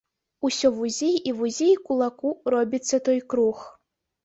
Усё вузей і вузей кулаку робіцца той круг.